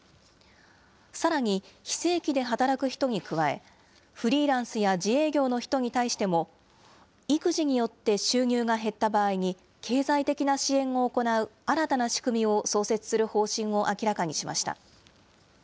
さらに、非正規で働く人に加え、フリーランスや自営業の人に対しても、育児によって収入が減った場合に、経済的な支援を行う新たな仕組みを創設する方針を明らかにしました。